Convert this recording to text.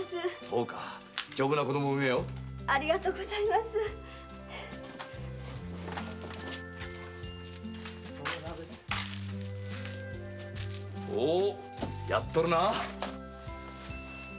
おうやっとるな。